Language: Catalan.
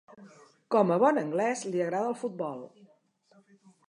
Com a bon anglès li agrada el futbol.